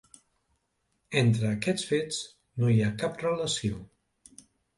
Entre aquests fets no hi ha cap relació.